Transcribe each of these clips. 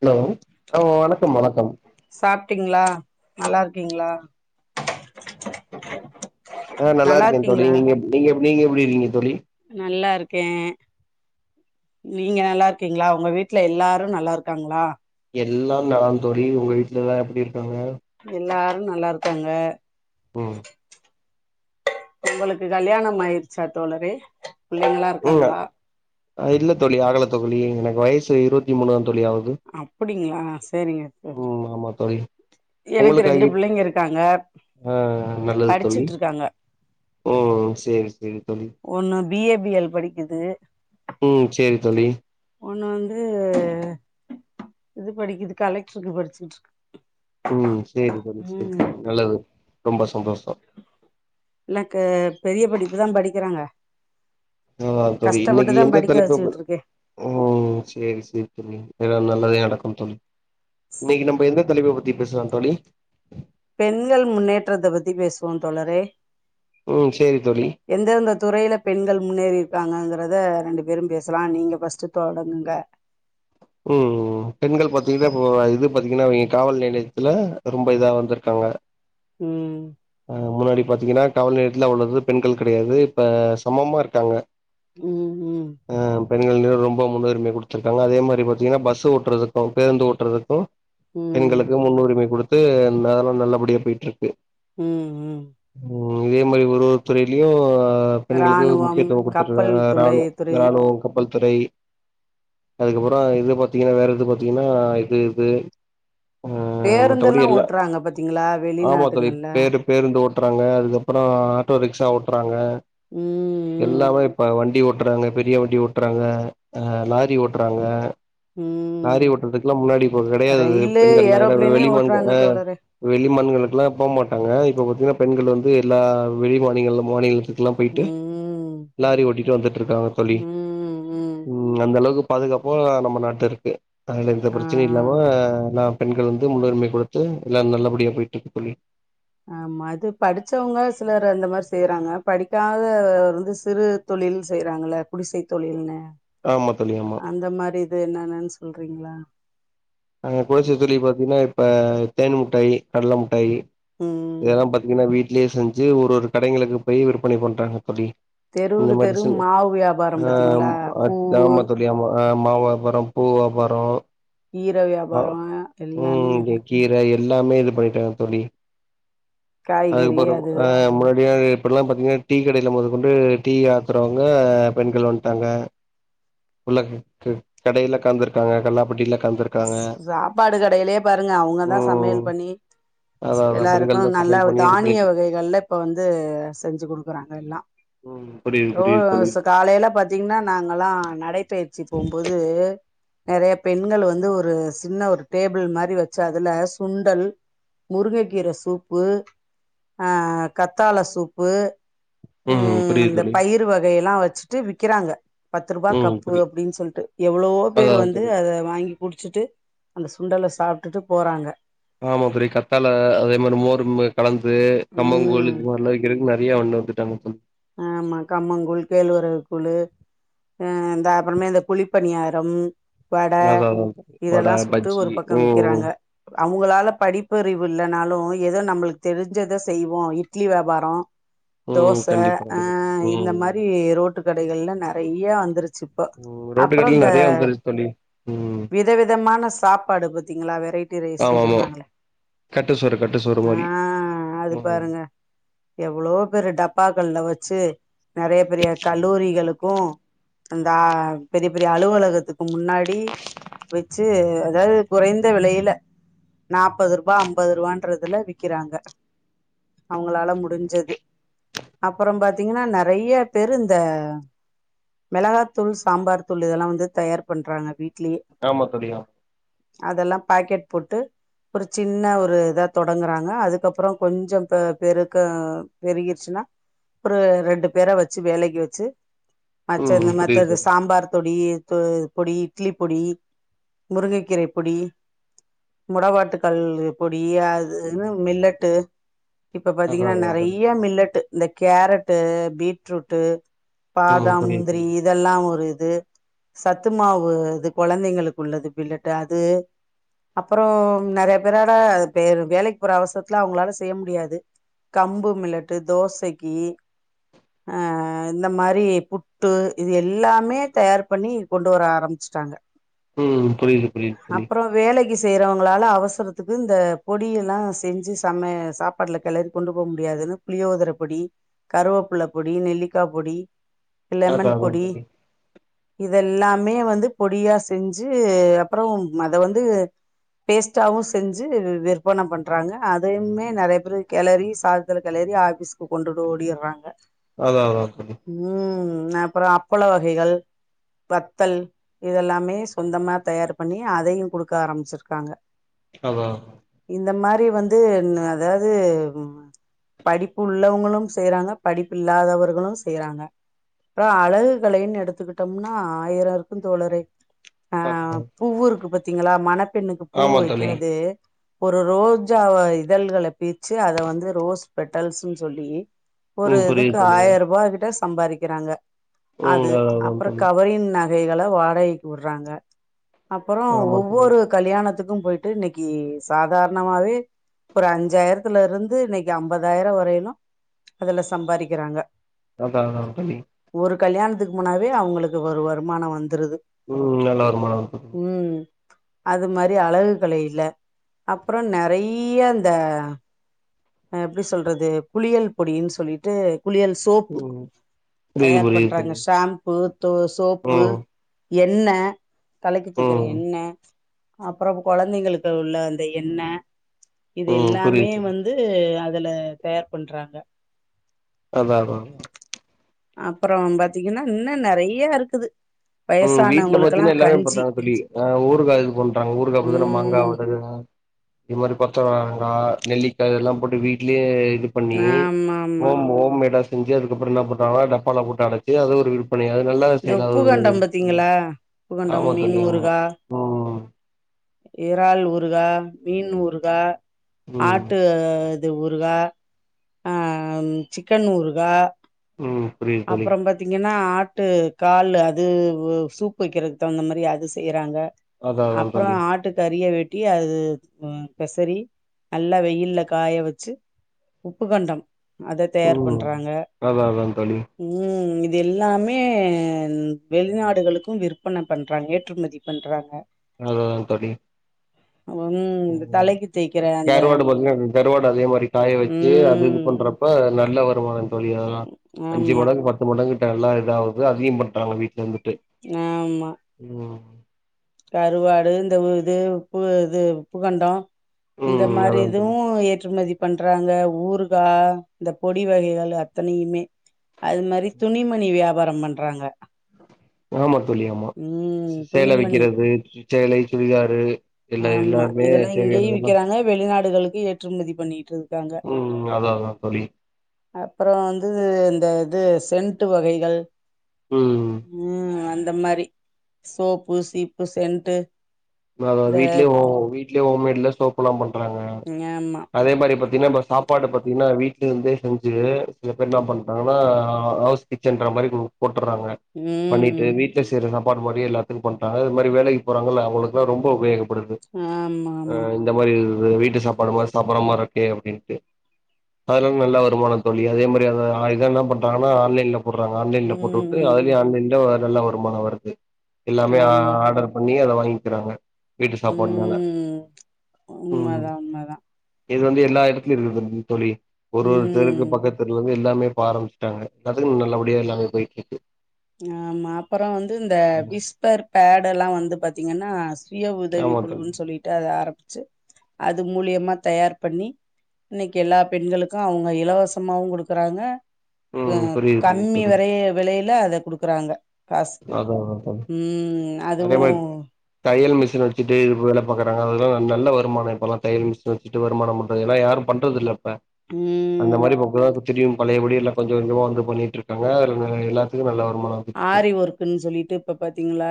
Hello அ வணக்கம் வணக்கம் சாப்பிட்டீங்களா நல்லா இருக்கீங்களா ஆ நல்லா இருக்கே தோழி நீங்க எப் நீங்க நீங்க எப்டி இருக்கீங்க தோழி நல்லா இருக்கே நீங்க நல்லா இருக்கீங்களா உங்க வீட்டுல எல்லாரு நல்லா இருக்காங்களா எல்லாம் நலம் தோழி உங்க வீட்டுலதா எப்டி இருக்காங்க எல்லாரு நல்லா இருக்காங்க ம் உங்களுக்கு கல்யாணம் ஆயிருச்சா தோழரே புள்ளைங்களா ம் இருக்காங்களா இல்ல தோழி ஆகலை தோழி எனக்கு வயசு இருபத்தி மூனு தோழி ஆகு அப்டிங்களா சேரிங்க து ம் ஆமா தோழி எனக்கு ரெண்டு உங்களுக்காகி பிள்ளைங்க இருக்காங்க ஆ நல்லது தோழி படிச்சுட்டு இருக்காங்க ம் சேரி சேரி தோழி ஒன்னு பி ஏ பி எல் படிக்குது ம் சேரி தோழி ஒன்னு வந்து இது படிக்குது கலெக்டருக்கு படிச்சுட்டு இருக்கு உம் சேரி தோழி சேரி ம் தோழி நல்லது ரொம்ப சந்தோஷம் எனக்கு பெரிய படிப்புதா படிக்கிறாங்க நல்லதுதா தோழி இன்னைக்கு கஷ்டப்பட்டுதா எந்த படிக்க தலைப்ப ப வச்சுக்கிட்டு இருக்கே உம் சேரி சேரி தோழி எல்லாம் நல்லதே நடக்கும் தோழி இன்னைக்கு நம்ப எந்த தலைப்ப பத்தி பேசலா தோழி பெண்கள் முன்னேற்றத்த பத்தி பேசுவோ தோழரே ம் சேரி தோழி எந்தெந்த துறையில பெண்கள் முன்னேறி இருக்காங்கங்கிறத ரெண்டு பேரும் பேசலா நீங்க ஃபர்ஸ்ட்டு தொடங்குங்க உம் பெண்கள் பாத்தீங்கன்னா இப்ப இது பாத்தீங்கன்னா இங்க காவல் நிலையத்துல ரொம்ப இதா வந்திருக்காங்க உம் அ முன்னாடி பாத்தீங்கன்னா காவல் நிலையத்துல அவ்ளோ இது பெண்கள் கெடையாது இப்ப சமமா இருக்காங்க ம் ம் உம் பெண்கள்ன்னு ரொம்ப முன்னுரிமை குடுத்திருக்காங்க அதே மாறி பாத் தீங்கன்னா பஸ் ஓட்டுறதுக்கும் பேருந்து ஓட்டுறதுக்கும் உம் பெண்களுக்கு முன்னுரிமை குடுத்து நாடும் நல்லபடியா போயிட்ருக்கு உம் உம் இதே மாறி ஒரு ஒரு துறையிலயு பெண்களுக்கு இராணுவம் முக்கியத்துவம் குடுத்துட்டு கப்பல் இருக்காங்க துண்டை ராணுவ துறை ராணுவ கப்பல் துறை அதுக்கப்புறோ இது பாத்தீங்கன்னா வேற எது பா்த்தீங்கன்னா இது இது அ மத்தபடி பேருந்தெல்லா எல்லா ஓட்றாங்க பாத்தீங்களா ஆமா தோழி வெளிநாட்டுங்கள்ல பேரு பேருந்து ஓட்றாங்க அதுக்கப்புறோ ஆட்டோ ரிக்ஷா ஓட்றாங்க உம் எல்லாமே இப்ப வண்டி ஓட்றாங்க பெரிய வண்டி ஓட்றாங்க அ லாரி ஓட்றாங்க ம் லாரி ஓட்றதுக்கெல்லா முன்னாடி இப்போ கிடையாது அது ரயிலு பெண்கள் எல்லா ஏன்னா ஏரோப்ளேனே வெளி மாநிலம் ஓட்டுறாங்க அ தோழரே வெளி மாநிலங்களுக்கெல்லா போ மாட்டாங்க இப்ப பாத்தீங்கன்னா பெண்கள் வந்து எல்லா வெளி மாநிலங்கள் மாநிலத்துக்கு ல்லா போயிட்டு ம் லாரி ஓட்டிட்டு வந்துட்டு இருக்காங்க தோழி ம் அந்த அளவுக்கு பாதுகாப்பும் நம்ம நாட்டுல இருக்கு அதுனால எந்த ஆ பிரச்சனையும் இல்லாம நாம் பெண்கள் வந்து முன்னுரிமை க குடுத்து எல்லா நல்லபடியா போயிட்டு இருக்கு தோழி ஆமா அது படிச்சவங்க சிலர் அந்த மாறி செய்யறாங்க படிக்காத வந்து சிறு தொழில் செய்யறாங்கில்ல குடிசை தொழில்னு ஆமா தோழி ஆமா அந்த மாறி இது என்னென்னு சொல்றீங்ளா அங்க குடிசை தொழில் பாத்தீங்கன்னா இப்ப தேன் முட்டாயி கடலை முட்டாயி ம் இதெல்லா பாத்தீங்கன்னா வீட்லயே செஞ்சு ஒரு ஒரு கடைகளுக்கு போயி விற்பனை பண்றாங்க தோழி இந்த தெருவுக்கு மாறி தெரு செஞ் மாவு வியாபாரம் ஆ பாத்தீங்களா பூவு [unintelligible] கேமா அ மாவு விபாரம் பூ விபாரம் கீரை வியாபாரம் எல்லாமே இருக்கு கீரை எல்லாமே இது பண்ணிட்டாங்க தோழி காய்கறி அதுக்கப்பறோ அது அ முன்னாடியாது இப்பெல்லா பார்த்தீங்கன்னா டீ கடையில முதகொண்டு டீ ஆத்துறவங்க பெண்கள் வன்ட்டாங்க உள்ள கடையில கந்துருக்காங்க கல்லாப் பெட்டில கந்துருக்காங்க சாப்பாடு கடையிலயே பாருங்க அவங்கதா ம் சமையல் பண்ணி அதா அதா பெண்கள் தா எல்லாருக்கும் நல்லா சமையல் பண்ணி இது தானிய பண்ணிட்டு வகைகள்ல இப்ப வந்து செஞ்சு குடுக்குறாங்க எல்லா ம் புரியுது ரோ புரியுது தோழி ஆச காலையில பாத்தீங்கன்னா நாங்கல்லா நடைபயிற்சி போம்போது நெறைய பெண்கள் வந்து ஒரு சின்ன ஒரு டேபிள் மாறிவச்சு அதுல சுண்டல் முருங்கைக்கீரை சூப்பு ஆ கத்தாள சூப்பு ம் உம் புரியுது இந்த தோழி பயிரு வகை எல்லா வச்சுட்டு விக்கிறாங்க பத்து ரூபா ம் கப்பு புரி அப்படின்னு சொல்ட்டு எவ்வளோ அதா பேர் வந்து தோழி அதை வாங்கி குடிச்சிட்டு அந்த சுண்டல சாப்ட்டுட்டு போறாங்க ஆமா பெரிய கத்தால அதே மாறி மோர்ம கலந்து கம்மங்க கூலு ம் இது மாதிரல்லாம் விக்கிறதுக்கு நிறைய அண்ண வத்துட்டாங்க சொல்ல ஆமா கம்மங்கூழ் கேழ்வரகு கூழு இந்த அப்புறமே இந்த குளிப்பணியாரம் வட அதா அதா தோழி வட இதெல்லாம் சுட்டு பஜ்ஜி ஒரு பக்கம் ம் விற்கிறாங்க அவங்களால படிப்பறிவு இல்லனாலும் ஏதோ நம்மளுக்கு தெரிஞ்சத செய்வோம் இட்லி வியாபாரம் ம் தோச கண்டிப்பா ஆ கண்டிப்பா தோழி இந்த ம் மாறி ரோட்டு கடைகள்லா நிறைய வந்துருச்சு இப்போ அப்புறம் இந்த பன்னீ ம் விதவிதமான சாப்பாடு பாத்தீங்களா வெரைட்டி ட்டி ஆமா ரைஸ்ன்னு ஆமா சொல்றாங்களே கட்டு சோறு கட்டு சோறு மாரி ஆ அது ம் பாருங்க எவ்ளோ பேரு டப்பாக்கள்ல வெச்சு நிறைய பெரிய கல்லூரிகளுக்கும் அந்தா பெரிய பெரிய அலுவலகத்துக்கு முன்னாடி வெச்சு அதாவது குறைந்த விலையில நாப்பது ரூபா ஐம்பது ரூபான்றதுல விக்கிறாங்க அவங்களால முடிஞ்சது அப்புறம் பாத்தீங்கன்னா நிறைய பேரு இந்த மிளகா தூள் சாம்பார் தூள் இதெல்லாம் வந்து தயார் பண்றாங்க வீட் ஆமா தோழி ஆ அதெல்லாம் பாக்கெட் போட்டு ஒரு சின்ன ஒரு இதா தொடங்குறாங்க அதுக்கப்புறம் கொஞ்சம் ப்பெ பெருக்க பெருகிடுச்சுனா அப்புற ரெண்டு பேர வெச்சு வேலைக்கு வெச்சு மற்ற இந்த ம் மத்த புரியுது இது தோழி சாம்பார் தொடி பொடி இட்லி பொடி முருங்கைக்கீரை பொடி முடவாட்டு கால் பொடி அதுன்னு மில்லட்டு இப்ப அதா பாத்தீங்கன்னா அதா தோழி நெறைய மில்லட்டு இந்த கேரட்டு பீட்ரூட்டு ம் பாதம் புரியுது முந்திரி தோழி இதெல்லா ஒரு இது சத்து மாவு இது கொழந்தைங்களுக்கு உள்ளது பிள்ளட்டு அது அப்புற நெறைய பேரால வேலைக்கு போற அவசரத்துல அவங்களால செய்ய முடியாது கம்பு மிலட்டு தோசைக்கு ஆ இந்த மாறி புட்டு இது எல்லாமே தயார் பண்ணி கொண்டு வர ஆரம்பிச்சுட்டாங்க ம் புரியுது புரியுது புரியுது அப்புறோ வேலைக்கு செய்யறவங்களால அவசரத்துக்கு இந்த பொடியெல்லா செஞ்சு சமை சாப்ப பாட்ல கெளறி கொண்டு போக முடியாதுன்னு புளியோதரபொடி கருவேப்புள்ள பொடி நெல்லிக்கா பொடி அதா லெமன் அதா பொடி தோழி இதெல்லாமே வந்து பொடியா செஞ்சு அப்புறோ அத வந்து பேஸ்ட்டாவு செஞ்சு விற்பன பண்றாங்க அதையுமே நெறைய பேரு கெளரி சாத துல கெளறி ஆபிஸ்க்கு கொண்டுட்டு ஓடிறாங்க அதான் அதான் ம் நா அப்றோ அப்பள வகைகள் வத்தல் இதெல்லாமே சொந்தமா தயார் பண்ணி அதயு குடுக்க ஆரம்பிச்சிருக்காங்க அதா இந்த மாரி வந்து அதாவது படிப்பு உள்ளவங்களும் செய்றாங்க படிப்பு இல்லாதவர்களு செய்றாங்க அப்றோ அழகு கலைன் எடுத்துக்கிட்டோம்னா ஆயிர இருக்கு தோழரே ஆ ஹ பூ இருக்கு பாத்தீங்களா மணப்பெண்ணுக்கு பூ தோழி வைக்கிறது ஒரு ரோஜாவ இதழ்கள பிச்சு அத வந்து ரோஸ் பெட்டல்ஸ்ன்னு சொல்லி ஒரு ம் புரியுது இதுக்கு தோழி ஆயிருபா கிட்ட சம்பாரிக்கிறாங்க ம் அது அதா அதா அப்றோ தோழி கவரிங் நக நகைகள வாடகைக்கு விடுறாங்க அப்பறோ ஆமா தோழி ஒவ்வொரு கல்யாணத்துக்கு போய்ட்டு இன்னைக்கு சாதாரணமாவே ஒரு அஞ்சாயிரத்துல இருந்து இன்னைக்கு ஐம்பதாயிர வரை னு அதுல சம்பாரிக்கிறாங்க அதாவ பண்ணி ஒரு கல்யாணத்துக்கு போனாவே அவங்களுக்கு ஒரு வருமான வந்ருது ம் நல்ல வருமான ம் அது மாரி அழகு கலைல அப்றோ நெறய இந்த எப்டி சொல்றது குளியல் பொடின் சொல்லிட்டு குளியல் சோ தோப்பு ம் புரியுது தயார் புரியுது பண்றாங்க தோழி ஷாம்பு தோ சோப்பு ம் எண்ணெ தலைக்கு தேக்குற ம் எண்ணெ அப்பறோ கொழந்தைங்களுக்கு உள்ள அந்த எண்ணெ இது ம் எல்லாமே புரியுது தோழி வந்து து அதுல தயார் பண்றாங்க அதா அதா அப்றோ பாத்தீங்கனா இன்னு நெறயா இருக்குது ம் வீட்ல வயசானவங்களுக்கெல்லா பாத்தீனா எல்லாமே கஞ்சி பண்றாங்க தோழி ஊறுகா இதுபண்றாங்க ஊறுகா அப்டி தான மாங்கா ம் வடக இது மாரி கொத்தவரங்கா நெல்லிக்கா இதல்லா போட்டு வீட்லயே இது பண்ணி ஆமா ஆமா ஹோம் ஹோம் மேடா செஞ்சு அதுக்கப்றோ என்நா பண்றாங்களா டப்பாலா போட்டு அடைச்சு அது ஒரு விற்பனை அது நல்ல இந்த விஷயதா அது ஒரு உப்புகண்டம் தோழி பாத்தீங்களா உப்புகண்டம் ஆமா மீன் தோழி ஆமா ஊறுகா ம் இறால் ஊறுகா மீன் ஊறுகா ம் ஆட்டு இது ஊறுகா ஆ சிக்கன் ஊறுகா ம் புரியுது தோழி அப்பற பத் த்தீங்கனா ஆட்டு கால் அது சூப்பு வைக்கிறதுக்கு தகுந்த மாதிரி அது செய்றாங்க அதா அதா அப்ற தோழி ஆட்டு கறிய வெட் ட்டி அது பெசறி நல்லா வெயில்ல காய வச்சு உப்பு கண்டம் அத தயார் ம் பண்றாங்க அதா அதா தோழி ம் இது எல்லாமே வெளிநாடுகளுக்கு விற்பனை பண்றாங்க ஏற்றுமதி பண்றாங்க அதுதா தோழி ம் ஓ இந்த தலைக்கு தேய்க்கிற அந்த கருவாடு பாத்தீனா கருவாடு அதே மாரி காய வச்சு அது இது ம் பண்ற இப்ப நல்ல வருமான தோழி அதெல்லா அஞ்சு ஆமா மடங்கு பத் து மடங்கிட்ட நல்லா இதாவ்து அதயு பண்றாங்க வீட்ல இருந்துட்டு ஆமா ம் கருவாடு இந்த இது உப்பு இது உப்புகண்டோ இந்த ம் மாரி அதா இதுவு தோழி ஏற்றுமதி பண்றாங்க ஊருகா இந்த பொடி வகைகள் அத்தனையுமே அது மாரி துணிமணி வியாபாரம் பண்றாங்க ஆமா தோழி ஆமா ம் சேல துணிமணி விக்கிறது சேலை சுடிதாறு ஆமா இதெல்லா இங்கயு விக்கிறாங்க வெளிநாடுகளுக்கு ஏற்றுமதி பண்ணிட்டு இர் ம் அதா அதா தோழி அப்றோ வந்து இந்த இது சென்ட்டு வகைகள் ம் ம் அந்த மாரி சோப்பு சீப்பு சென்ட்டு அதா அதா இந்த வீட்லே ஓ வீட்லே ஹோம்மேட்லா சோப்லா பண்றாங்க ஆமா அதே மாரி பாத்தீங்னா இப்ப சாப்பாடு பாத்தீங்னா வீட்லருந்தே செஞ்சி இப் இப்ப என்னா பண்றாங்னா ஹவுஸ் கிச்சன்ற மாரி போட்டறாங்க பண்ணிட்டு ம் வீட்ல செய்ற சாப்பாடு மாரியே எல்லாத்துக்கு பண்டாங்க இது மாரி வேலைக்கு போறாங்கள அவுங்ளுக் ரொம்ப உபயோகப்படுது ஆமா ஆமா அ இந்த மாரி வீட்டு சாப்பாடு மாரி சாப்பற மாரி இருக்கே அப்டின்ட்டு அதெல்லா நல்ல வருமானோ தோழி அதே மாரி அங்க ஆ இத என்ன பண்டாங்கனா ஆன்லைன்ல போட்றாங்க ஆன்லைன்ல ம் போட்டுட்டு ம் அதுலயே ம் ஆன்லைன்லே நல்ல வருமானோ வருது எல்லாமே ஆமா ஆடர் பண்ணி அத வாங்கிக்கிறாங்க வீட்டு சாப்பாடுனால ம் ம் உண்மதா உண்மதா இது வந்து எல்லா எடத்துலயு இருக்குதுங் தோழி ஒரு ஒருத்தருக்கு ம் பக்கத் தெருவுலமே எல்லாமே இப்ப ஆரம்புச்சுட்டாங்க நதுங் நல்லபடியா எல்லாமே பொய்ட்ருக்கு ஆமா அப்றோ வந்து இந்த விஸ்பர் பேட் எல்லா வந்து பாத்தீங்கன்னா சுய உதவி ஆமா தோழி குழுனு சொல்லிட்டு அத ஆரம்பிச்சி அது மூலியமா தயார் பண்ணி இன்னிக்கு எல்லா பெண்களுக்கு அவங்க இலவசமாவு குடுக்குறாங்க ம் புரியுது புரியுது கம்மி தோழி வரைய விலையில அத குடுக்குறாங்க காஸ்க்கு அதா அதா தோழி ம் அதே அதுவு மாரி தையல் மிஷின் வச்சிட்டு வேல பாக்குறாங்க அதெல்லா நல்ல வருமானோ இப்பெல்லா தையல் மிஷின் வச் சிட்டு வருமானம் பண்றது ஏனா யாரு பண்றது இல்ல இப்ப அந்த ம் மாரி இப்ப [unintelligible] திரியு பழயபடி எல்லா கொஞ்ச கொஞ்சமா வந்து பண்ணிட்ருக்காங்க எல்லாத்துக்கு நல்ல வருமானம் வந்துட்டு ஆரி இருக்கு ஒர்க்ன் சொல்லிட்டு இப்ப பாத்தீங்களா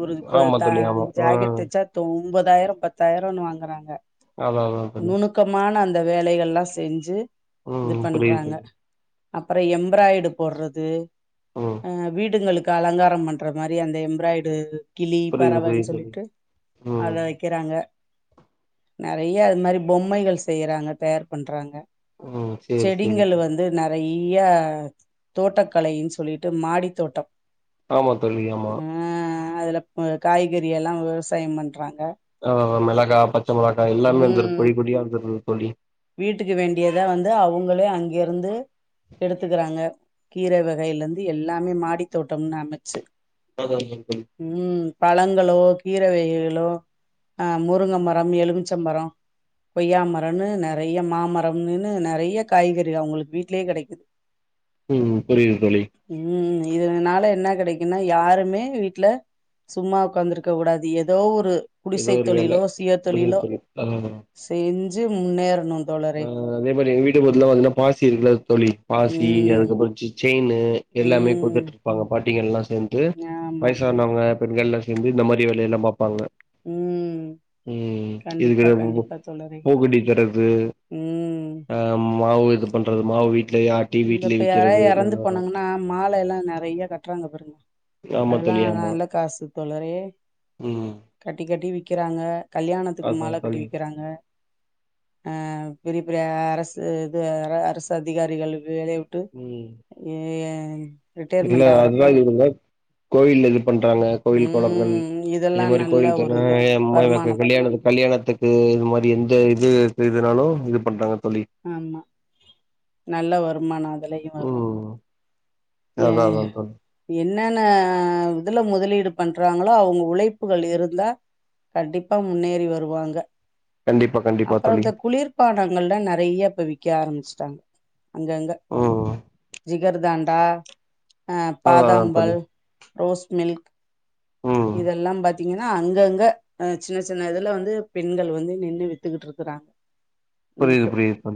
ஒரு இப்ப ஆமா தா தோழி ஆமா ஜாக்கெட் ம் தச்சா தோ ஒம்பதாயிரம் பத்தாயிரோன் வாங்குறாங்க அதா அதா தோழி க்கமான அந்த வேலைகள்லா செஞ்சி இது ம் புரியுது பண்றாங்க தோழி அப்றோ எம்ப்ராய்டு போட்றது ம் வீடுகளுக்கு அலங்காரம் பண்ற மாரி அந்த எம்ராய்டு கிளி புரியுது பறவ புரியுது தோழி சொல்லிட்டு அத ம் விக்கிறாங்க நெறையா அது மாரி பொம்மைகள் செய்றாங்க தயார் பண்றாங்க ம் சேரி செடிங்கள் சேரி வந்து நெறையா தோட்டக்கலை சொல்லிட் டு மாடிதோட்டோ ஆமா தோழி ஆமா உ அதில காய்கறி எல்லா விவசாயோ பண்றாங்க ஆ மெளகா பச்ச மெளகா எல்லாமே வந்துருக்கு ம் கொடி கொடியா வந்துருக்கு தோழி வீட்டுக்கு வேண்டியத வந்து அவுங்களே அங்கெருந்து எடுத்துக்கிறாங்க கீர வகையில இருந்து எல்லாமே மாடி தோட்டம்னு அமச்சு பரவாயில்ல ஹெல்ப் பண்ணு ம் பழங்களு கீர வகைகளு ஆ முருங்க மரோ எலுமிச்ச மரோ கொய்யா மரோன்னு கொய்யா மாமரம்னு நெறைய காய்கறிக அவுங்களுக்கு வீட்லயே கெடைக்கு ம் புரியுது தோழி ம் இதுனால என்ன கெடைக்குனா யாருமே வீட்ல சும்மா உக்காந்துருக்க கூடாது எதோ ஒரு ஏதோ குடிசை ஒரு வேல தொழிலோ சுய புரியுது தொழிலோ தோழி ஆ செஞ்சு முன்னேற ஆ அதே மாரி எங்க வீட்டுக்கு பக்கத்துலலா பாத்தீங்கன்னா பாசி இருக்குல தோழி பாசி ம் அதுக்கப்புறோ செயினு எல்லாமே ம் கொடுத்துட்ருப்பாங்க பாட்டிகள்லா சேந்து ஆமா தோழரே வயசானவுங்க பெண்கள்லா சேந்து இந்த மாரி வேலயெல்லா பாப்பாங்க ம் ம் கண்டிப்பா கண்டிப்பா [unintelligible] தோழரே பூ கட்டி தரது ம் ஆ மாவு இது பண்றது மாவு வீட்லயே ஆட் இந்த இப்ப யாராவது எறந்து போனாங்கன்னா மால எல்லா நெறைய கட்றாங்க பாருங்க ஆமா அதுலா தோழி ஆமா நல்ல காசு போல ம் கட்டி கட்டி விக்கிறாங்க கல்யாணத்துக்கு அதா மால கட்டி தோழி விக்கிறாங்க ஆ பெரிய பெரிய அரசு இது அரசு அதிகாரிகளுக்கு வேலய விட் ம் ஏ இல்ல அதுதா இருங்க கோயில்ல இது பண்றாங்க கோயில் கொளங்கள் ம் இதெல்லா இது மாரி நல்ல கோயில் ஒரு இது தனியா வருமானம் கல்யாணத்துக்கு இது மாரி எந்த இது செய்றதுனாலு இது பண்றாங்க தோழி ஆமா நல்ல வருமானோ அதுலயு வரு ம் ஏ அதா அதா தோழி என்னென்ன இதுல முதலீடு பண்றாங்களோ அவுங்க உழைப்புகள் இருந்தா கண்டிப்பா முன்னேறி வருவாங்க கண்டிப்பா கண்டிப்பா அப்புறோ தோழி இந்த குளிர் பாணங்கள்லா நெறைய இப்ப விக்க ஆரம்பிச்சுட்டாங்க அங்கங்க ம் ஜிகர்தாண்டா ஆ அதா அதா தோழி பாதாம்பால் ரோஸ் மில்க் ம் இதெல்லா பாத்தீங்கன்னா அங்கங்க ஆ சின்ன சின்ன இதுல வந்து பெண்கள் வந்து நின்னு வித்துக்கிட்ருக்குறாங்க ! ! ! ! ! ! ! ! ! ! புரியுது புரியுது தோழி